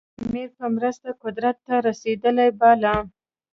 امیر په مرسته قدرت ته رسېدلی باله.